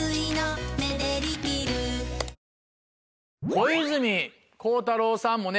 小泉孝太郎さんもね